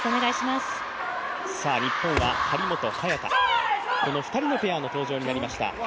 日本は張本・早田、この２人のペアの登場になりました。